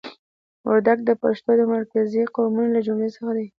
وردګ د پښتنو د مرکزي قومونو له جملې څخه دي.